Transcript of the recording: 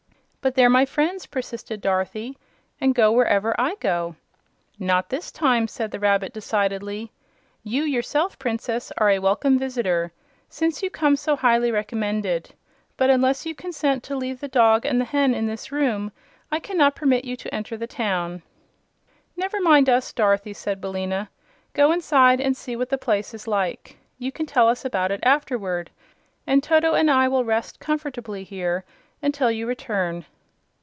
"But they're my friends," persisted Dorothy, "and go wherever I go." "Not this time," said the rabbit, decidedly. "You, yourself, Princess, are a welcome visitor, since you come so highly recommended; but unless you consent to leave the dog and the hen in this room I cannot permit you to enter the town." "Never mind us, Dorothy," said Billina. "Go inside and see what the place is like. You can tell us about it afterward, and Toto and I will rest comfortably here until you return."